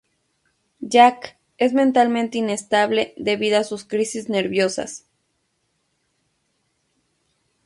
Jake es mentalmente inestable debido a sus crisis nerviosas.